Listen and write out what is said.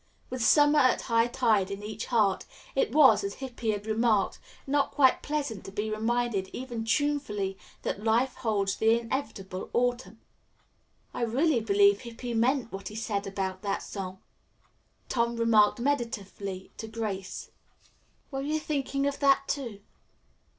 With summer at high tide in each heart, it was, as Hippy had remarked, not quite pleasant to be reminded even tunefully that life holds the inevitable autumn. "I really believe Hippy meant what he said about that song," Tom remarked meditatively to Grace. "Were you thinking of that, too?"